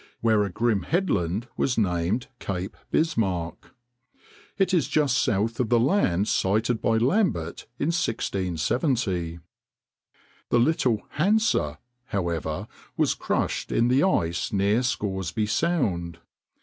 where a grim headland was named Cape Bismarck. It is just south of the land sighted by Lambert in 1670. The little Hansa, however, was crushed in the ice near Scoresby Sound.